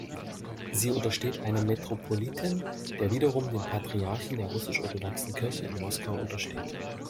Sie untersteht einem Metropoliten, der wiederum dem Patriarchen der Russisch-Orthodoxen Kirche in Moskau untersteht.